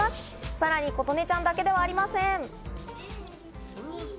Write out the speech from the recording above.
さらに、ことねちゃんだけではありません。